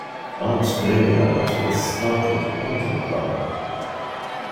Aunt Dahlia uttered a startled hunting cry.